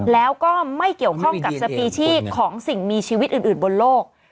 แล้วก็ไม่เกี่ยวข้องกับสปีชีของสิ่งมีชีวิตอื่นบนโลก